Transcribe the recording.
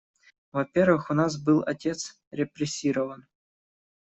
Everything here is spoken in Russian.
Во-первых, у нас был отец репрессирован.